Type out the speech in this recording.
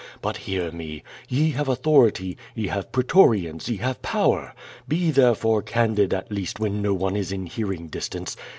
But hear me. Ye have authority, ye have pretorians, ye have power. Be therefore candid at least when no one is in hearing distance.